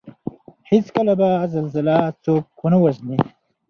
هېڅکله به زلزله څوک ونه وژني